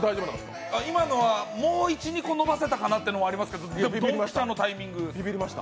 今のはもう１２個伸ばせたかなってのはありますけどドンピシャのタイミング。